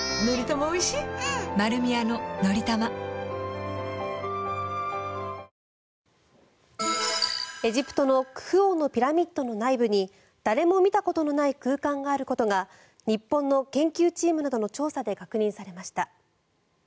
現場付近にはショッピングモールや住宅街がありエジプトのクフ王のピラミッドの内部に誰も見たことのない空間があることが日本の研究チームなどの調査で確認されました。